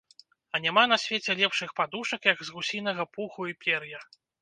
А няма на свеце лепшых падушак, як з гусінага пуху і пер'я.